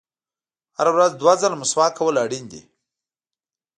• هره ورځ دوه ځله مسواک کول اړین دي.